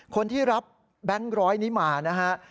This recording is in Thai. คนที่รับแบงค์ร้อยนี้มานะฮะ